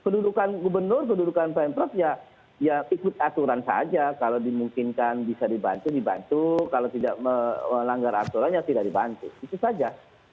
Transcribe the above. kedudukan gubernur kedudukan pemprov ya ikut aturan saja kalau dimungkinkan bisa dibantu dibantu kalau tidak melanggar aturannya tidak dibantu itu saja